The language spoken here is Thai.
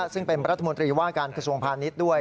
ซึ่งเป็นรัฐมนตรีว่าการกระทรวงพาณิชย์ด้วย